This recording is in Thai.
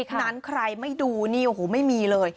นั้นใครไม่ดูนี่โอ้โหไม่มีเลย